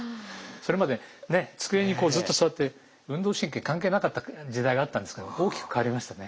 それまでね机にずっと座って運動神経関係なかった時代があったんですけど大きく変わりましたね。